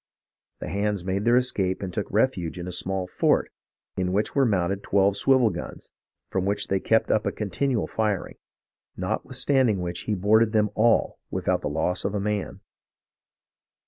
The hands made their escape and took refuge in a small fort in which were mounted twelve swivel guns, from which they kept up a continual firing ; notwith standing which he boarded them all without the loss of a man.